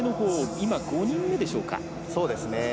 今、５人目でしょうか。